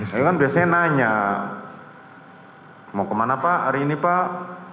saya kan biasanya nanya mau kemana pak hari ini pak